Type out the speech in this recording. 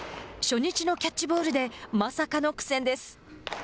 初日のキャッチボールでまさかの苦戦です。